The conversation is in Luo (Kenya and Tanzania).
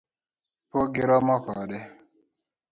Pok giromo kode